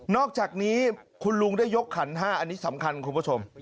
อกจากนี้คุณลุงได้ยกขัน๕อันนี้สำคัญคุณผู้ชม